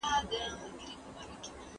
ایا ستا نېکمرغي ستا په خپل هیواد کي نسته؟